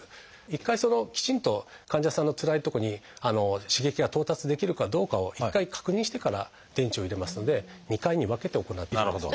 一回きちんと患者さんのつらいとこに刺激が到達できるかどうかを一回確認してから電池を入れますので２回に分けて行っていきます。